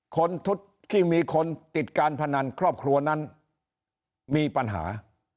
คนที่มีคนติดการพนันครอบครัวนั้นมีปัญหา